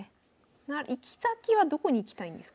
行き先はどこに行きたいんですか？